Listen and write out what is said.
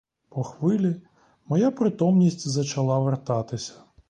По хвилі моя притомність зачала вертатися.